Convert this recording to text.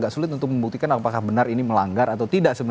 sebenarnya ini melanggar atau tidak